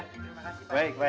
terima kasih pak haji